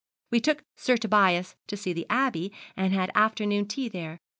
We took Sir Tobias to see the Abbey, and had afternoon tea there.